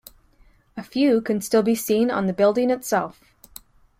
A few can still be seen on the building itself.